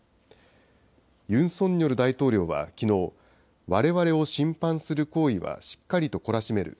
ユン・ソンニョル大統領はきのう、われわれを侵犯する行為はしっかりと懲らしめる。